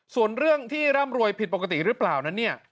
ส่วนเรื่องที่ร่ำรวยผิดปกติหรือเปล่านั้นเนี่ย